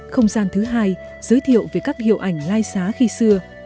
không gian thứ hai giới thiệu về các hiệu ảnh lai xá khi xưa